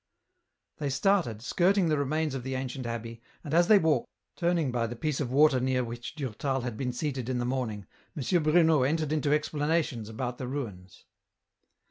They started, skirting the remains of the ancient abbey, and as they walked, turning by the piece of water near which Durtal had been seated in the morning, M. Bruno entered into explanations about the rums.